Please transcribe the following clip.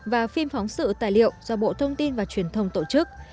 và phim phóng sự tài liệu do bộ thông tin và truyền thông tổ chức